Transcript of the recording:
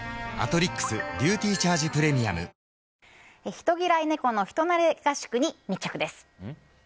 人嫌い猫の人なれ合宿に密着です。